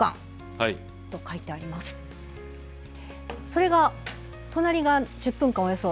それが隣が１０分間およそ。